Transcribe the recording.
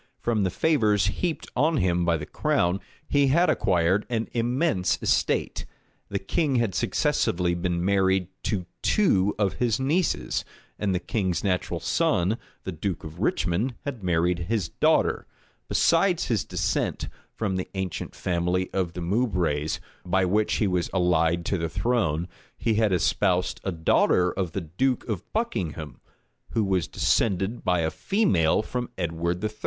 From the favors heaped on him by the crown he had acquired an immense estate: the king had successively been married to two of his nieces; and the king's natural son, the duke of Richmond, had married his daughter; besides his descent, from the ancient family of the Moubrays, by which he was allied to the throne, he had espoused a daughter of the duke of Buckingham, who was descended by a female from Edward III.